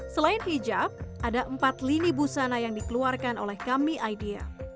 selain hijab ada empat lini busana yang dikeluarkan oleh kami idea